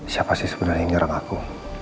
siapa sih sebenarnya yang nyerang aku